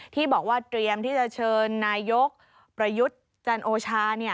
ที่บอกว่าเตรียมที่จะเชิญนายกประยุทธ์จันโอชา